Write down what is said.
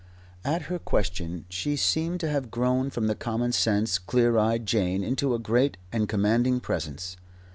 At her question she seemed to have grown from the common sense, clear eyed Jane into a great and commanding presence.